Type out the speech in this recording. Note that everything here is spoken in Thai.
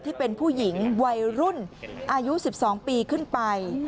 ที่เป็นผู้หญิงวัยรุ่นอายุ๑๒ปีขึ้นไป